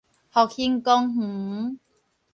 復興公園